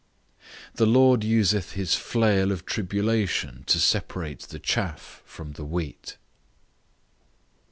The Lord useth his flail of tribulation to separate the chaff from the wheat.